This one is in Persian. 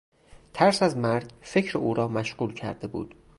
ترس از مرگ فکر او را مشغول کرده بود.